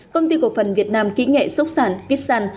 công ty cổ phần việt nam kỹ nghệ sốc sản viet san